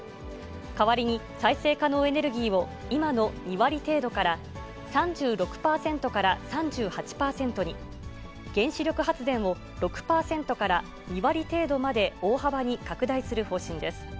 代わりに再生可能エネルギーを、今の２割程度から３６％から３８％に、原子力発電を６％から２割程度まで大幅に拡大する方針です。